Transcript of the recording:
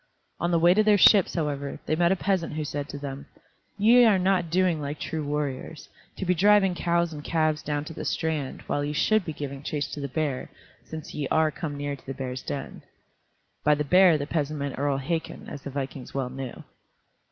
On the way to their ships, however, they met a peasant who said to them, "Ye are not doing like true warriors, to be driving cows and calves down to the strand, while ye should be giving chase to the bear, since ye are come near to the bear's den." By the bear the peasant meant Earl Hakon, as the vikings well knew.